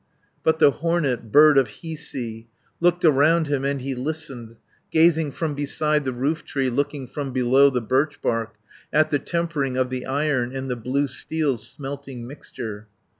230 "But the hornet, Bird of Hiisi, Looked around him, and he listened, Gazing from beside the roof tree, Looking from below the birchbark, At the tempering of the Iron, And the blue steel's smelting mixture.